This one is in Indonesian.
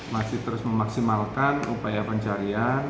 masih terus memaksimalkan upaya pencarian